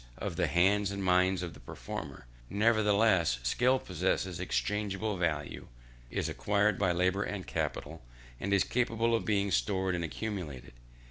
of the hands and mind of the performer; nevertheless skill possesses exchangeable value, is acquired by labour and capital, and is capable of being stored and accumulated.